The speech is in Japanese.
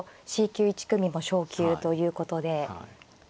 Ｃ級１組も昇級ということで。